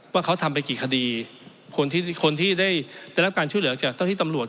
ว่าเขาทำไปกี่คดีคนที่คนที่ได้รับการช่วยเหลือจากเจ้าที่ตำรวจ